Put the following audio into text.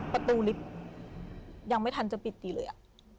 ประตูลิฟต์ยังไม่ทันจะปิดตีเลย